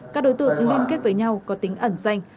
các đối tượng liên kết với nhau có tính ẩn danh